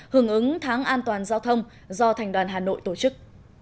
hưởng ứng tháng an toàn giao thông do thành đoàn hà nội tổ chức